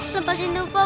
lepasin tuh pak